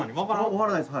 分からないです